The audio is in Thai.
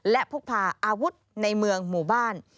และพกพาอาวุธในเมืองหมู่บ้าน